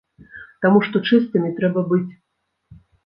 Таму што чыстымі трэба быць!